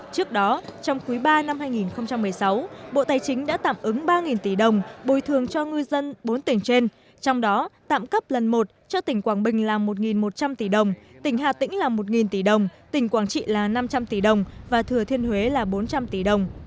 trước đó trong quý ba năm hai nghìn một mươi sáu bộ tài chính đã tạm ứng ba tỷ đồng bồi thường cho ngư dân bốn tỉnh trên trong đó tạm cấp lần một cho tỉnh quảng bình là một một trăm linh tỷ đồng tỉnh hà tĩnh là một tỷ đồng tỉnh quảng trị là năm trăm linh tỷ đồng và thừa thiên huế là bốn trăm linh tỷ đồng